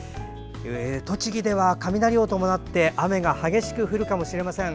栃木では雷を伴って雨が激しく降るかもしれません。